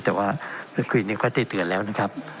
แต่ว่าเมื่อคืนนี้ก็ได้เตือนแล้วนะครับ